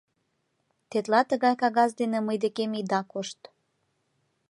— Тетла тыгай кагаз дене мый декем ида кошт.